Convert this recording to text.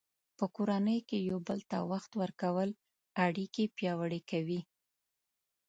په کورنۍ کې یو بل ته وخت ورکول اړیکې پیاوړې کوي.